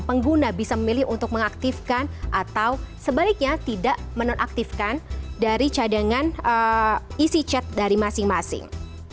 pengguna bisa memilih untuk mengaktifkan atau sebaliknya tidak menonaktifkan dari cadangan isi chat dari masing masing